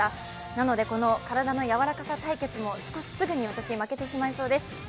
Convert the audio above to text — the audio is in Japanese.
なので、体の柔らかさ対決もすぐに私、負けてしまいそうです。